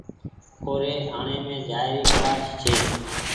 او ري آڻيم جآئي ر کوآئس ڇي۔